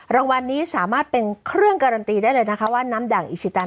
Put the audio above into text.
รางวัลนี้สามารถเป็นเครื่องการันตีได้เลยนะคะว่าน้ำด่างอิชิตัน